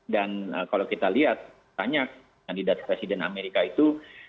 dan kalau kita lihat tanya kandidat presiden amerika itu